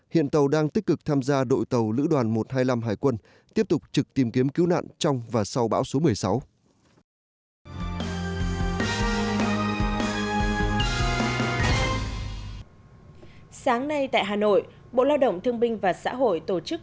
hiện tàu đang tích cực tham gia đội tàu lữ đoàn một trăm hai mươi năm hải quân tiếp tục trực tìm kiếm cứu nạn trong và sau bão số một mươi sáu